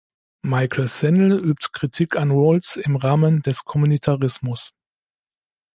Michael Sandel übt Kritik an Rawls im Rahmen des Kommunitarismus.